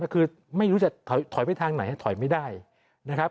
คือไม่รู้จะถอยไปทางไหนถอยไม่ได้นะครับ